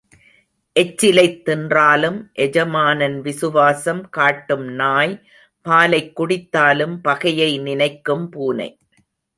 எச்சிலைத் தின்றாலும் எஜமானன் விசுவாசம் காட்டும் நாய் பாலைக் குடித்தாலும் பகையை நினைக்கும் பூனை.